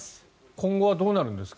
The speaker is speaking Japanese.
今後はどうなるんですか？